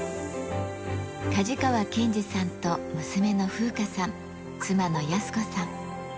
加治川健司さんと娘の風花さん、妻の靖子さん。